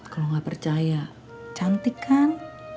kalau nggak percaya cantik kan